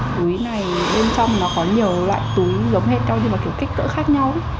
túi này bên trong nó có nhiều loại túi giống hệt nhau như một kiểu kích cỡ khác nhau